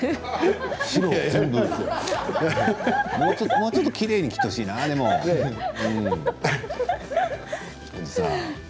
もうちょっときれいに切ってほしいなあ、でもおじさん。